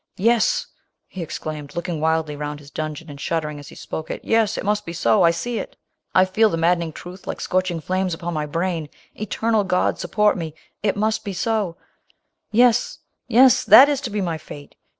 " Yes !" he ex claimed, looking wildly round his dungeon, and shuddering as he spoke —" Yes ! it must be so! I see it !— I feel the maddeningtnith like scorch ing flames upon my brain ! Eternal (iod!— support me! it must be ..'•— Yes, yes, that is to lie my fate